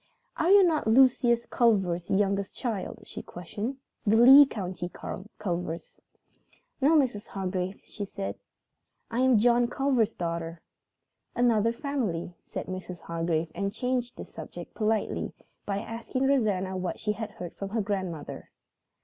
"Are you not Lucius Culver's youngest child?" she questioned. "The Lee County Culvers?" "No, Mrs. Hargrave," said Helen. "I am John Culver's daughter." "Another family," said Mrs. Hargrave and changed the subject politely by asking Rosanna what she had heard from her grandmother.